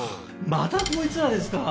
またこいつらですか？